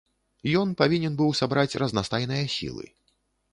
Ён павінен быў сабраць разнастайныя сілы.